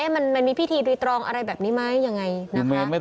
มันมีพิธีดริตรองอะไรแบบนี้ไหม